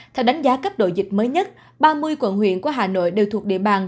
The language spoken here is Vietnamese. theo đánh giá cấp độ dịch mới nhất ba mươi quận huyện của hà nội đều thuộc địa bàn